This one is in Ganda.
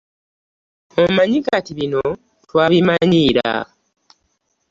Omanyi kati bino twabimanyiira.